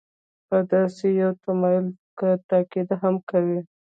په داسې یو تمایل که تایید هم کوي.